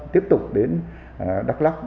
tiếp tục đến đắk lắk và thu mua